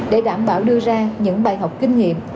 để đảm bảo đưa ra những bài học kinh nghiệm